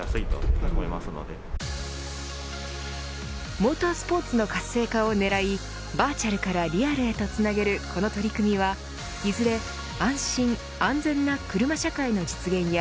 モータースポーツの活性化を狙いバーチャルからリアルへとつなげるこの取り組みはいずれ安心、安全なクルマ社会の実現や